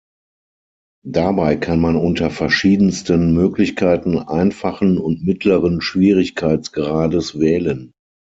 Dabei kann man unter verschiedensten Möglichkeiten einfachen und mittleren Schwierigkeitsgrades wählen.